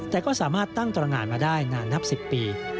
แต่ก็สามารถตั้งตรงานมาได้นานนับ๑๐ปี